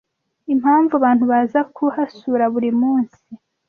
impamvu abantu baza kuha sura buri munsi